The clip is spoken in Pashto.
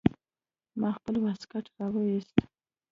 ما خپل واسکټ راوايست.